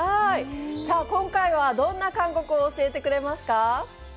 さあ今回はどんな韓国を教えてくれますか？